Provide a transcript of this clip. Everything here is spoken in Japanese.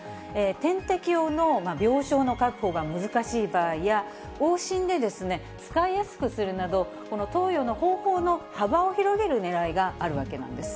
点滴用の病床の確保が難しい場合や、往診で使いやすくするなど、この投与の方法の幅を広げるねらいがあるわけなんです。